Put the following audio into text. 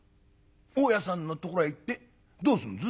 「大家さんのところへ行ってどうすんです？」。